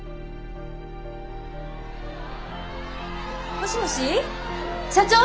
もしもし社長？